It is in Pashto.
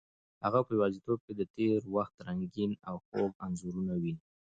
هغه په یوازیتوب کې د تېر وخت رنګین او خوږ انځورونه ویني.